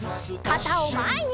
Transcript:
かたをまえに！